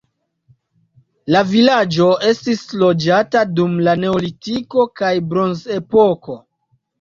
La vilaĝo estis loĝata dum la neolitiko kaj bronzepoko.